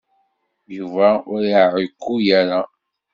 Yuba ur iɛeyyu ara.